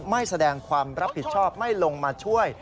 ไม่แสดงความรับผิดชอบไม่ลงมาช่วย